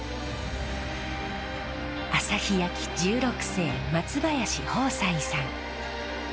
朝日焼十六世松林豊斎さん。